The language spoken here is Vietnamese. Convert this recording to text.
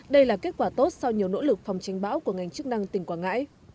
đây là kết quả tốt sau nhiều nỗ lực phòng tranh bão của ngành chức năng tỉnh quảng ngãi